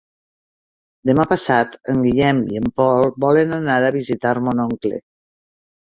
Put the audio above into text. Demà passat en Guillem i en Pol volen anar a visitar mon oncle.